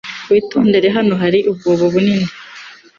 Witondere hano hari umwobo munini!